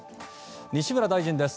西村大臣です。